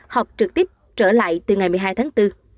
học trực tiếp trở lại từ ngày một mươi hai tháng bốn